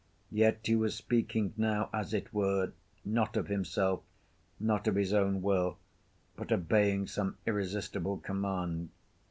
Yet he was speaking now, as it were, not of himself, not of his own will, but obeying some irresistible command.